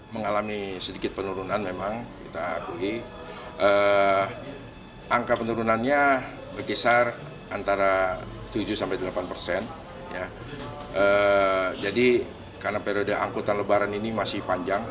masih pada angkutan lebaran ini masih panjang